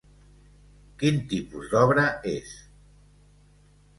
Quin tipus d'obra és?